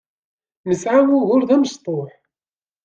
Nesɛa ugur d amecṭuḥ.